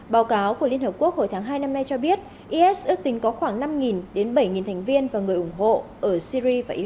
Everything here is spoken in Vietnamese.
báo cáo của liên hợp quốc hồi tháng hai năm nay cho biết is ước tính có khoảng năm đến bảy thành viên và người ủng hộ ở syri và iraq